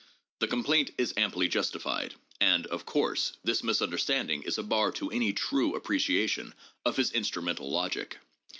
The complaint is amply justified, and, of course, this misunderstanding is a bar to any true appreciation of his instrumental logic.